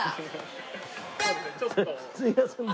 すいません。